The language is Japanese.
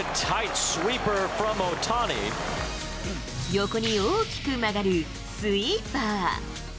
横に大きく曲がる、スイーパー。